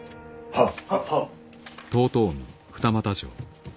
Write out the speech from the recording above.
はっ。